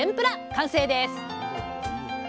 完成です！